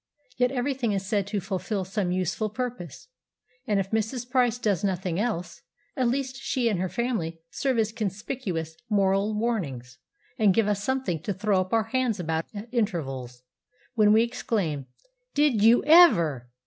Yet everything is said to fulfil some useful purpose, and if Mrs. Price does nothing else, at least she and her family serve as conspicuous moral warnings and give us something to throw up our hands about at intervals, when we exclaim: "Did you EVER!!"